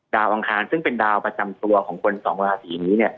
อังคารซึ่งเป็นดาวประจำตัวของคนสองราศีนี้